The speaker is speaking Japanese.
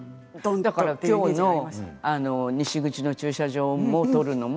だからきょうの西口の駐車場を取るのも。